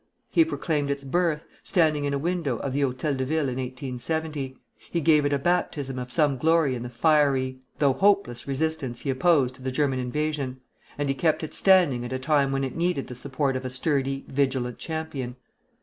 He proclaimed its birth, standing in a window of the Hôtel de Ville in 1870; he gave it a baptism of some glory in the fiery, though hopeless, resistance he opposed to the German invasion; and he kept it standing at a time when it needed the support of a sturdy, vigilant champion.